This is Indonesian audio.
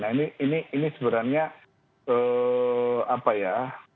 nah ini sebenarnya apa ya